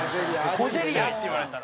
「小競り合い」って言われたら。